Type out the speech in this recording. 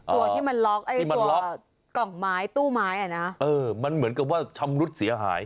ตัวที่มันล็อกไอ้ตัวล็อกกล่องไม้ตู้ไม้อ่ะนะเออมันเหมือนกับว่าชำรุดเสียหาย